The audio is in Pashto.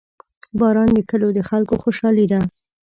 • باران د کلیو د خلکو خوشحالي ده.